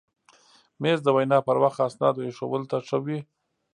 مېز د وینا پر وخت اسنادو ایښودلو ته ښه وي.